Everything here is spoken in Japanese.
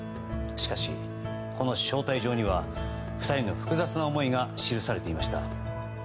しかし、この招待状には夫妻の複雑な思いが記されていました。